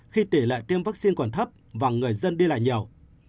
khi tỷ lệ tiêm vaccine còn thấp và người dân đi lại nhiều